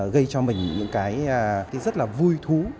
gây cho mình những cái rất là vui thú